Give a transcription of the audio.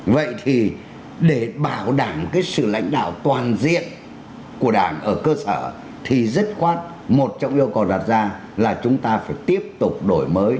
vậy thì để bảo đảm cái sự lãnh đạo toàn diện của đảng ở cơ sở thì dứt khoát một trong yêu cầu đặt ra là chúng ta phải tiếp tục đổi mới